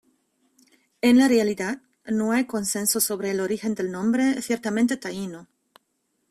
En la realidad, no hay consenso sobre el origen del nombre, ciertamente taíno.